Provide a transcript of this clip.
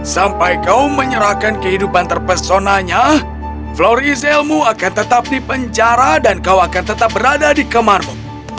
sampai kau menyerahkan kehidupan terpesonanya florizelmu akan tetap di penjara dan kau akan tetap berada di kamarmu